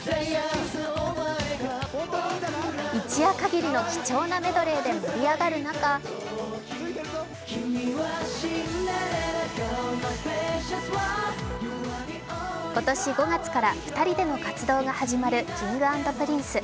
一夜限りの貴重なメドレーで盛り上がる中今年５月から２人での活動が始まるＫｉｎｇ＆Ｐｒｉｎｃｅ。